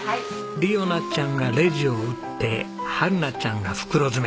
莉央奈ちゃんがレジを打って陽奈ちゃんが袋詰め。